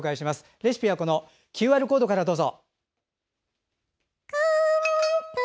レシピはＱＲコードからどうぞ。